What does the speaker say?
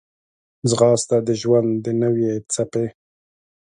ځغاسته د ژوند د نوې څپې